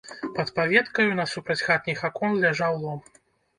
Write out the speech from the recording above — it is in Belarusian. Пад паветкаю насупраць хатніх акон ляжаў лом.